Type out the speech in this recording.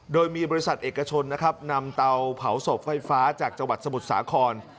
โดยมีบริษัทเอกชนนะครับนำเตาเผาศพไฟฟ้าจากจังหวัดสมุทรสาคร